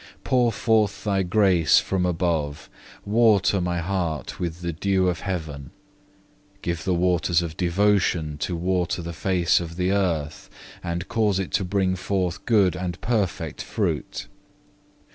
Pour forth Thy grace from above; water my heart with the dew of heaven; give the waters of devotion to water the face of the earth, and cause it to bring forth good and perfect fruit.